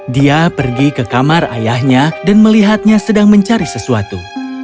dia pergi ke kamar ayahnya dan melihatnya sedang mencari sesuatu